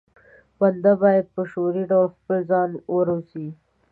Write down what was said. بنده بايد په شعوري ډول خپل ځان وروزي.